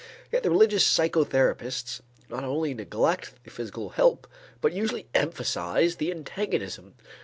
Yet the religious psychotherapists not only neglect the physical help but usually emphasize the antagonism.